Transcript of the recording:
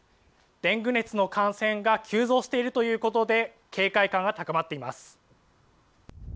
デング熱の感染が急増しているということで、警戒感が高まっています。